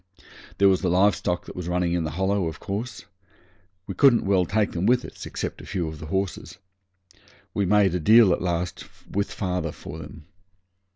There was the live stock that was running in the Hollow, of course. We couldn't well take them with us, except a few of the horses. We made a deal at last with father for them.